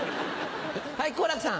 はい好楽さん。